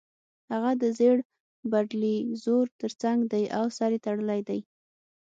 هغه د زېړ بلډیزور ترڅنګ دی او سر یې تړلی دی